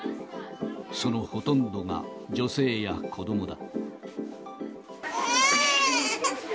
そのほとんどが女性や子どもだ。